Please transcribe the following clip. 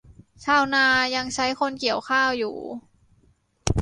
ชาวนายังใช้คนเกี่ยวข้าวอยู่